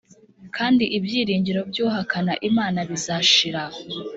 kandi ibyiringiro by’uhakana imana bizashira